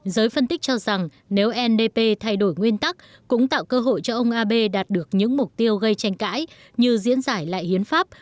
giới phân tích cho rằng nếu ndp thay đổi nguyên tắc cũng tạo cơ hội cho ông abe đạt được những mục tiêu gây tranh cãi như diễn giải lại hiến pháp